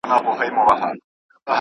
سپی له هغه ځایه لاړ نه شو.